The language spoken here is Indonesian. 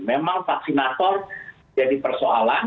memang vaksinator jadi persoalan